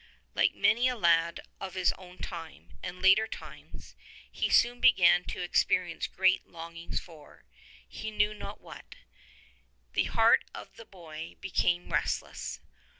Like many a lad of his own time, and of later times, he soon began to experience great longings for — he knew not what. The heart of the boy became restless.